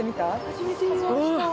初めて見ました。